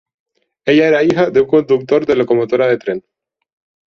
Ella era hija de un conductor de locomotora de tren.